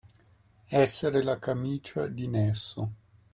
Essere la camicia di Nesso.